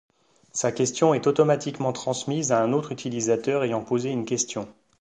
Sa question est automatiquement transmise à un autre utilisateur ayant posé une question.